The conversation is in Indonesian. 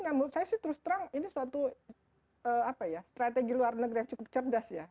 namun saya sih terus terang ini suatu strategi luar negara yang cukup cerdas ya